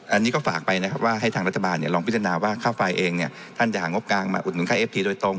อันนี้ก็ฝากไปนะครับว่าให้ทางรัฐบาลลองพิจารณาว่าค่าไฟเองเนี่ยท่านจะหางบกลางมาอุดหนุนค่าเอฟทีโดยตรง